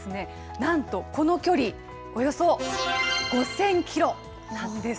なんとこの距離、およそ５０００キロなんです。